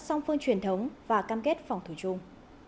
song phương truyền thống và cam kết phòng thủ chung